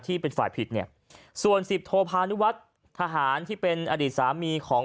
ที่เป็นฝ่ายผิดเนี่ยส่วนสิบโทพานุวัฒน์ทหารที่เป็นอดีตสามีของ